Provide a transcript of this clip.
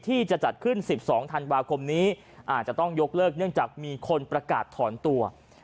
ที่จะจัดขึ้น๑๒ธันวาคมนี้อาจจะต้องยกเลิกเนื่องจากมีคนประกาศถอนตัว